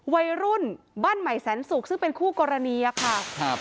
วัยรุ่นบ้านใหม่แสนศุกร์ซึ่งเป็นคู่กรณีอะค่ะครับ